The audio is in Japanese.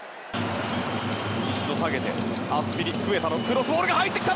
アスピリクエタのクロスボールが入ってきた！